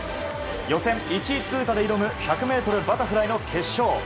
予選１位通過で挑む、１００メートルバタフライの決勝。